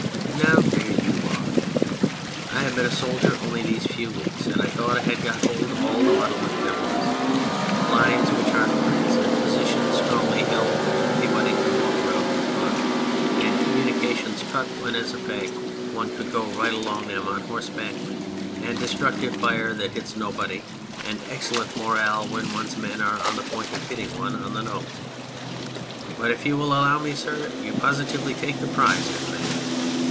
Now, there you are. I have been a soldier only these few weeks, and I thought I had got hold of all the muddlement there was ; "lines " which aren't lines, and " positions strongly held " which anybody can walk round for fun ; and communications " cut," when, as a fact, one could go right along them on horse back, and " destructive fire " that hits nobody, and " excellent moral " when one's men are on the point of hitting one on the nose. But if you will allow me, sir, you positively take the prize in the matter